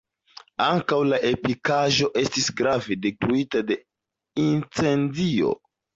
Ankaŭ la ekipaĵo estis grave detruita de incendio.